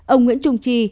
ông nguyễn trung chi